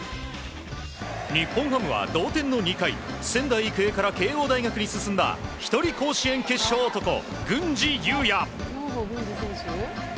日本ハムは同点の２回仙台育英から慶應大学に進んだ一人甲子園決勝男、郡司裕也！